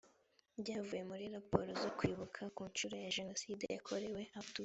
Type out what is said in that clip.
byavuye muri raporo zo kwibuka ku nshuro ya jenoside yakorewe abatutsi